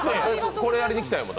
これ、やりに来たんやもん。